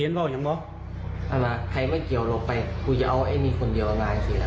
เธอจะเอาแบบนี้คนเดียวกับงานนี้เลยครับ